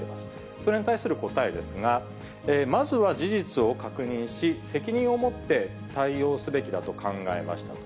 それに対する答えですが、まずは事実を確認し、責任を持って対応すべきだと考えましたと。